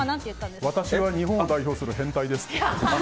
私は日本を代表する変態ですって。